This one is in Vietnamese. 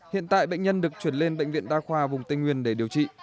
hiện tại bệnh nhân được chuyển lên bệnh viện đa khoa vùng tây nguyên để điều trị